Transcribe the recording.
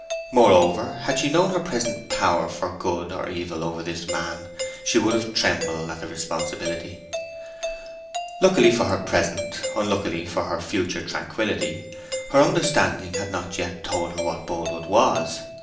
Moreover, had she known her present power for good or evil over this man, she would have trembled at her responsibility. Luckily for her present, unluckily for her future tranquillity, her understanding had not yet told her what Boldwood was.